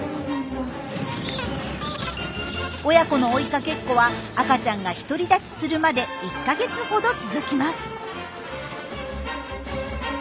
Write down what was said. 親子の追いかけっこは赤ちゃんが独り立ちするまで１か月ほど続きます。